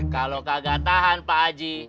kalo kagak tahan pak aji